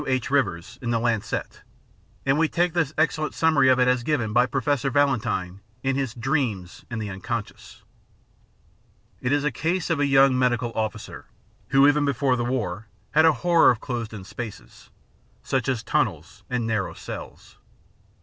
H. Rivers in the Lancet, and we take this excellent summary of it as given by Professor Valentine in his Dreams and the Unconscious. It is the case of a young medical officer, who even before the war had a horror of closed in spaces, such as tunnels and narrow cells.